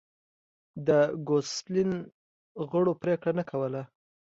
د ګوسپلین غړو پرېکړه نه کوله.